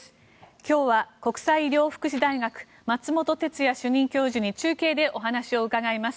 今日は国際医療福祉大学松本哲哉主任教授に中継でお話を伺います。